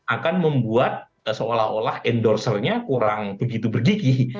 akan membuat seolah olah endorsernya kurang begitu berdigih